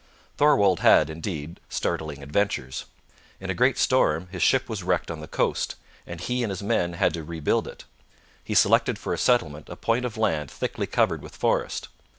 Thorwald had, indeed, startling adventures. In a great storm his ship was wrecked on the coast, and he and his men had to rebuild it. He selected for a settlement a point of land thickly covered with forest.